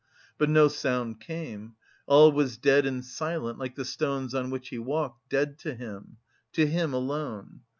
But no sound came, all was dead and silent like the stones on which he walked, dead to him, to him alone....